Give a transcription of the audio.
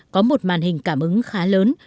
có một màn hình cảm ứng khá lớn